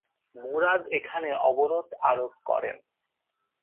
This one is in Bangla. মুরাদ এখানে অবরোধ আরোপ করেন।